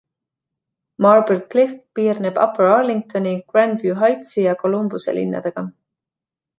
Marble Cliff piirneb Upper Arlingtoni, Grandview Heightsi ja Columbuse linnadega.